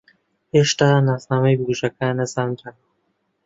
ھێشتا ناسنامەی بکوژەکە نەزانراوە.